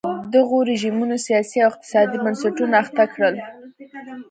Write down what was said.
دغو رژیمونو سیاسي او اقتصادي بنسټونه اخته کړل.